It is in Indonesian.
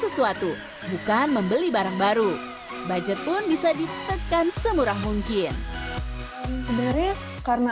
sesuatu bukan membeli barang baru budget pun bisa ditekan semurah mungkin sebenarnya karena